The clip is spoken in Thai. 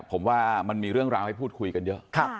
ผมว่ามันมีเรื่องราวให้พูดคุยกันเยอะ